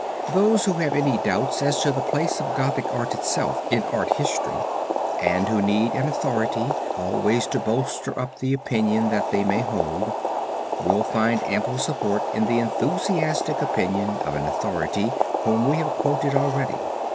Those who have any doubts as to the place of Gothic art itself in art history and who need an authority always to bolster up the opinion that they may hold, will find ample support in the enthusiastic opinion of an authority whom we have quoted already.